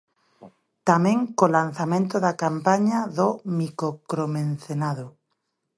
Tamén co lanzamento da campaña do micocromencenado.